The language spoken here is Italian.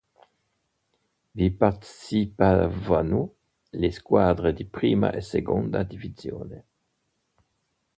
Vi partecipavano le squadre di Prima e Seconda Divisione.